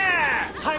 はい！